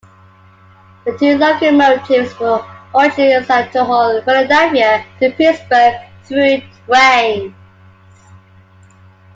The two locomotives were originally assigned to haul Philadelphia to Pittsburgh through trains.